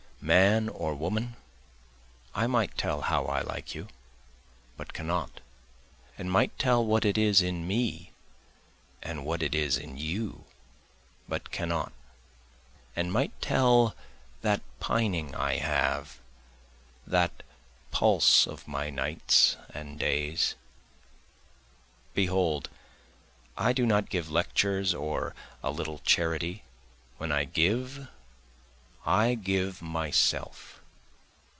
Man or woman, I might tell how I like you, but cannot, And might tell what it is in me and what it is in you, but cannot, And might tell that pining I have, that pulse of my nights and days. Behold, I do not give lectures or a little charity, When I give I give myself.